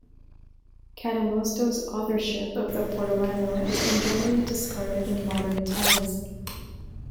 Cadamosto's authorship of the portolano has been generally discarded in modern times.